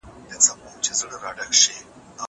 دا قلم له هغه ښه دی!